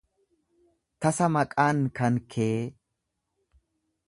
Tasa maqaan kan kee